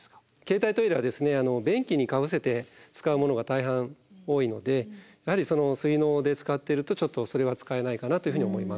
携帯トイレは便器にかぶせて使うものが大半多いのでやはりその水のうで使ってるとちょっとそれは使えないかなというふうに思います。